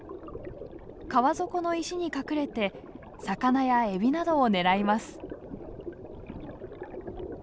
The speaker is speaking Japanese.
川底の石に隠れて魚やエビなどを狙います。